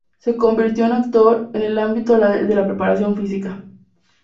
Se convirtió en actor en el ámbito de la preparación física.